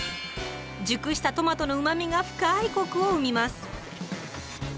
熟したトマトのうまみが深いコクを生みます。